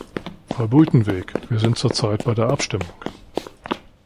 Frau Buitenweg, wir sind zur Zeit bei der Abstimmung.